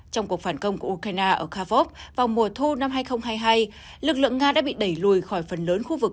trong cuộc phản công của ukraine ở kavov vào mùa thu năm hai nghìn hai mươi hai lực lượng nga đã bị đẩy lùi khỏi phần lớn khu vực